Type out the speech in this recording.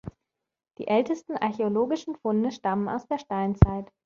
Die ältesten archäologischen Funde stammen aus der Steinzeit.